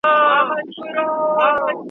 مړ وجود مي پر میدان وو دړي وړي `